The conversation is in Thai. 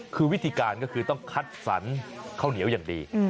คือวิธีการก็คือต้องคัดสรรข้าวเหนียวอย่างดี